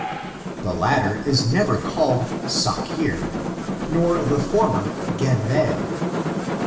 The latter is never called saohew, nor the fonaer gehved.